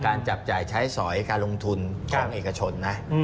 จับจ่ายใช้สอยการลงทุนของเอกชนนะ